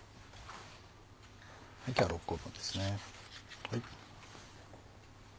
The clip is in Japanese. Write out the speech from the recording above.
今日は６個分ですね。